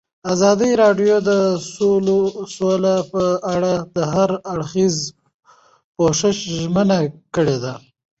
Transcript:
ازادي راډیو د سوله په اړه د هر اړخیز پوښښ ژمنه کړې.